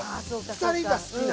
２人が好きな。